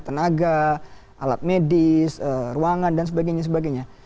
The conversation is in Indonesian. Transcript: tenaga alat medis ruangan dan sebagainya sebagainya